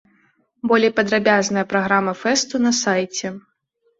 Болей падрабязная праграма фэсту на сайце.